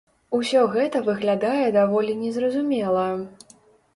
Усё гэта выглядае даволі не зразумела.